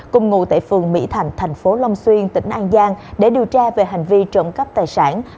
cùng ngụ tại phường mỹ thạnh thành phố long xuyên tỉnh an giang để điều tra về hành vi trộm cắp tài sản